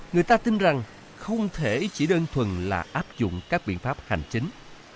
người ta tin rằng không thể chỉ đơn thuần là áp dụng các biện pháp hành chính